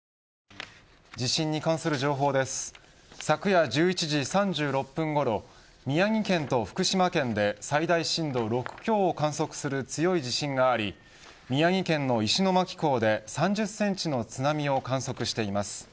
昨夜１１時３６分ごろ宮城県と福島県で最大震度６強を観測する強い地震があり宮城県の石巻港で３０センチの津波を観測しています。